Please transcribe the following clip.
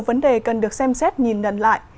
vấn đề cần được xem xét nhìn lần lại